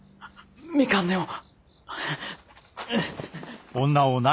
みかんでも。